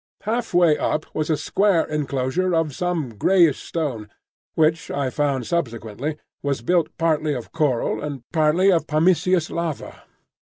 Half way up was a square enclosure of some greyish stone, which I found subsequently was built partly of coral and partly of pumiceous lava.